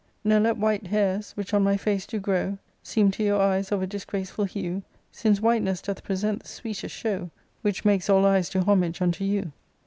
^ y' " Ne let white hairs, which on my face do grow^* Seem to your eyes of a disgraceful hue ;/ Since whiteness doth present the sweetest sho^, Which makes all eyes do homage unto you."'